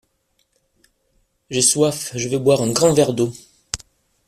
J’ai soif, je vais boire un grand verre d’eau.